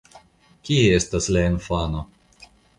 Kie estas la infano?